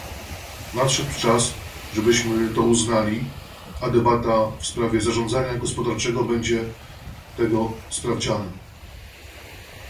Nadszedł czas, żebyśmy to uznali, a debata w sprawie zarządzania gospodarczego będzie tego sprawdzianem